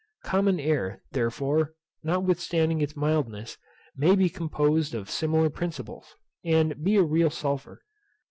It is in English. Common air, therefore, notwithstanding its mildness, may be composed of similar principles, and be a real sulphur.